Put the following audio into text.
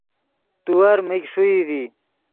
تیور میگ ݰوئی ڤی